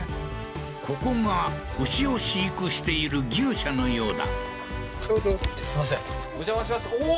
ここが牛を飼育している牛舎のようだ